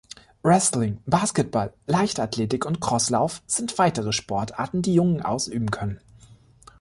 Wrestling, Basketball, Leichtathletik und Crosslauf sind weitere Sportarten, die Jungen ausüben können.